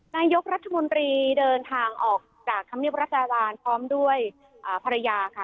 นายกรัฐมนตรีเดินทางออกจากธรรมเนียบรัฐบาลพร้อมด้วยภรรยาค่ะ